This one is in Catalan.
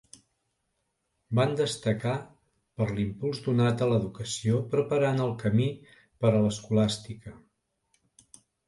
Van destacar per l'impuls donat a l'educació, preparant el camí per a l'escolàstica.